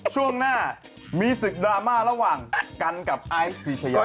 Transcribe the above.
ช่วงหน้ามีศึกดราม่าระหว่างกันกับไอซ์พีชยา